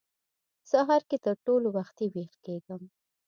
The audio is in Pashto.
سهار کې تر ټولو وختي وېښ کېږم.